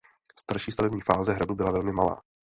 Starší stavební fáze hradu byla velmi malá.